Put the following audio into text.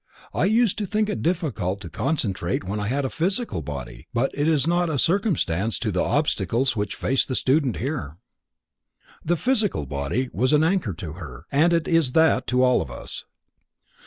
I used to think it difficult to concentrate when I had a physical body, but it is not a circumstance to the obstacles which face the student here." The physical body was an anchor to her, and it is that to all of us.